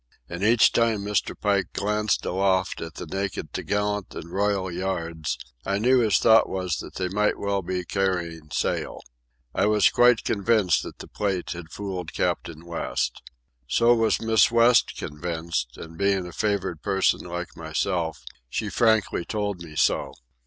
And each time Mr. Pike glanced aloft at the naked topgallant and royal yards, I knew his thought was that they might well be carrying sail. I was quite convinced that the Plate had fooled Captain West. So was Miss West convinced, and, being a favoured person like myself, she frankly told me so.